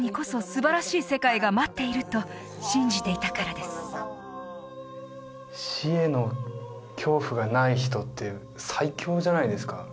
なぜなら死への恐怖がない人って最強じゃないですか